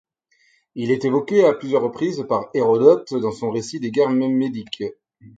Il est évoqué à plusieurs reprises par Hérodote dans son récit des guerres médiques.